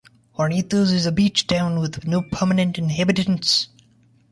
Hornitos is a beach town with no permanent inhabitants.